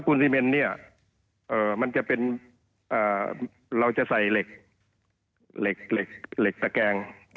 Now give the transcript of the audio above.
ปูนซีเมนต้องใช้เหล็กตะแกง